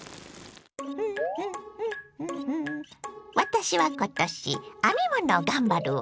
私は今年編み物を頑張るわ！